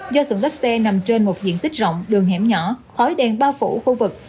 do xưởng lốp xe nằm trên một diện tích rộng đường hẻm nhỏ khói đen bao phủ khu vực